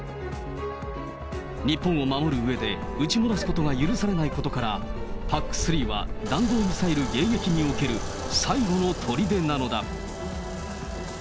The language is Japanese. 日本を守るうえで、撃ち漏らすことが許されないことから、ＰＡＣ３は弾道ミサイル迎撃における最後のとりでなのだ。